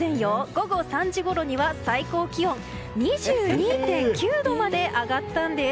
午後３時ごろには最高気温２２．９度まで上がったんです。